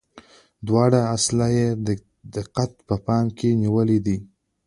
دا دواړه اصله یې په دقت په پام کې نیولي دي.